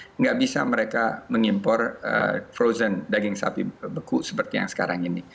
tidak bisa mereka mengimpor frozen daging sapi beku seperti yang sekarang ini